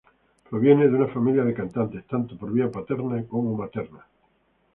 Proviene de una familia de cantantes, tanto por vía paterna como materna.